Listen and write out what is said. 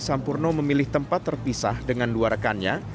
sampurno memilih tempat terpisah dengan dua rekannya